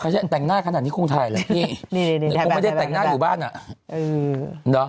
ใช่ใช่แต่งหน้าขนาดนี้คงถ่ายแหละนี่นี่นี่นี่แต่งหน้าอยู่บ้านอ่ะอืม